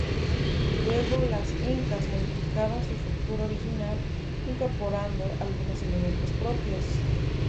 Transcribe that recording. Luego, los incas modificaron su estructura original incorporando algunos elementos propios.